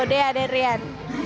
dea dan rian